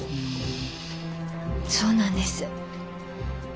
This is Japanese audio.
そうなんです。